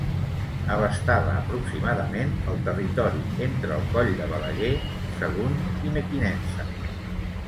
Abastava aproximadament el territori entre el coll de Balaguer, Sagunt i Mequinensa.